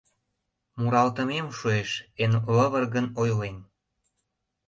Муралтымем шуэш, эн лывыргын ойлен.